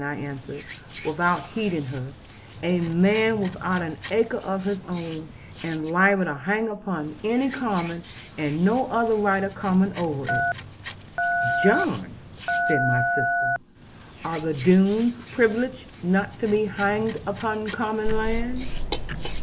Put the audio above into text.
I answered, without heeding her; 'a man without an acre of his own, and liable to hang upon any common, and no other right of common over it ' 'John,' said my sister, 'are the Doones privileged not to be hanged upon common land?'